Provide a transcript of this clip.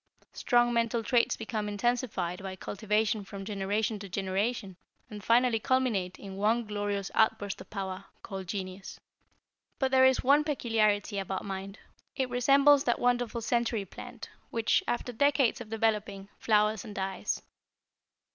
Strong mental traits become intensified by cultivation from generation to generation and finally culminate in one glorious outburst of power, called Genius. But there is one peculiarity about mind. It resembles that wonderful century plant which, after decades of developing, flowers and dies.